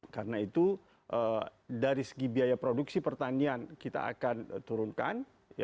karena itu dari segi biaya produksi pertanian kita akan turunkan